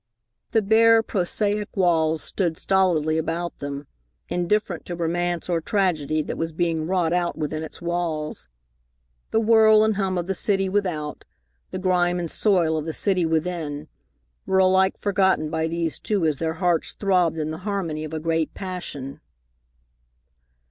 The bare, prosaic walls stood stolidly about them, indifferent to romance or tragedy that was being wrought out within its walls. The whirl and hum of the city without, the grime and soil of the city within, were alike forgotten by these two as their hearts throbbed in the harmony of a great passion.